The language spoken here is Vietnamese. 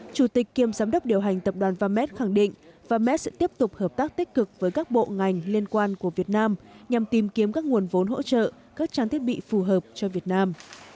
chủ tịch kiêm giám đốc điều hành tập đoàn vmed khẳng định vams sẽ tiếp tục hợp tác tích cực với các bộ ngành liên quan của việt nam nhằm tìm kiếm các nguồn vốn hỗ trợ các trang thiết bị phù hợp cho việt nam